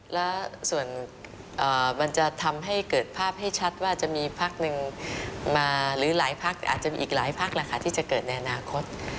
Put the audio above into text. แล้วส่วนมันจะทำให้เกิดภาพให้ชัดว่าจะมีพักหนึ่งมาหรือหลายพักอาจจะมีอีกหลายพักแหละค่ะที่จะเกิดในอนาคต